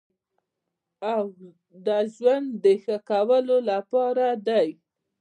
او د ژوند د ښه کولو لپاره دی.